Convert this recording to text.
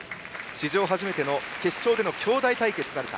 史上初めての決勝での兄弟対決なるか。